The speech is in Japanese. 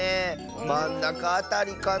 まんなかあたりかな？